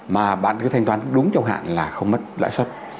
mà bạn cứ thanh toán đúng trong hạn là không mất lãi suất